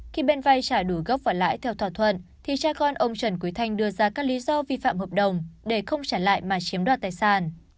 khi bên vay trả đủ gốc và lãi theo thỏa thuận thì cha con ông trần quý thanh đưa ra các lý do vi phạm hợp đồng để không trả lại mà chiếm đoạt tài sản